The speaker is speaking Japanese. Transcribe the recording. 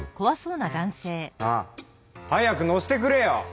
なあ早く乗せてくれよ！